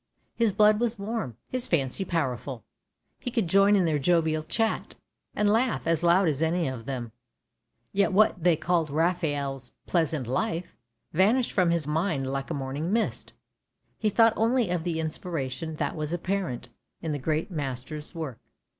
His blood was warm, his fancy powerful; he could join in their jovial chat, and laugh as loud as any of them; yet what they called " Raphael's pleasant life " vanished from his mind like a morning mist; he thought only of the inspiration that was apparent in the great master's works.